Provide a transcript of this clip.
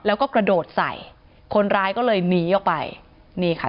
แล้วก็กระโดดใส่คนร้ายก็เลยหนีออกไปนี่ค่ะ